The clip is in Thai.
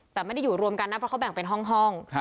แต่ไม่ได้อยู่รวมกันนะเพราะเขาแบ่งเป็นห้อง